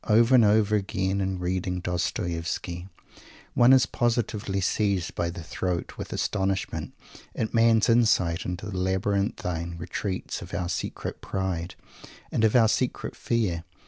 Over and over again, in reading Dostoievsky, one is positively seized by the throat with astonishment at the man's insight into the labyrinthian retreats of our secret pride and of our secret fear.